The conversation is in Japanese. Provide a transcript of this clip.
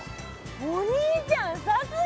お兄ちゃんさすが！